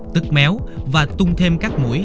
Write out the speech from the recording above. tức méo và tung thêm các mũi